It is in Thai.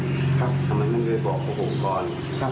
ทำไมไม่ได้บอกพวกผมก่อน